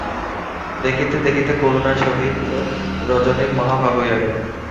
দেখিতে দেখিতে করুণার সহিত রজনীর মহা ভাব হইয়া গেল।